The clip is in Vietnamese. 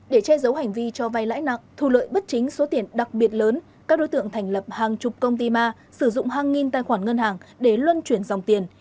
để che giấu hành vi cho vay lãi nặng thu lợi bất chính số tiền đặc biệt lớn các đối tượng thành lập hàng chục công ty ma sử dụng hàng nghìn tài khoản ngân hàng để luân chuyển dòng tiền